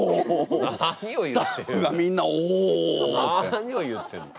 何を言ってんの。